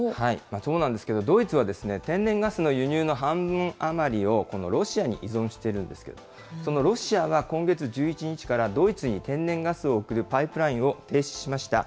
そうなんですけど、ドイツは天然ガスの輸入の半分あまりをこのロシアに依存しているんですけど、そのロシアは、今月１１日からドイツに天然ガスを送るパイプラインを停止しました。